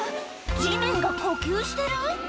地面が呼吸してる？